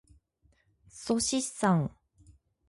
っそしっさん。